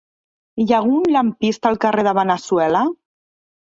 Hi ha algun lampista al carrer de Veneçuela?